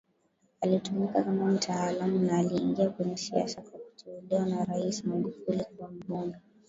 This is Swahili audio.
alitumika kama mtaalamu na aliingia kwenye siasa kwa kuteuliwa na Rais Magufuli kuwa mbunge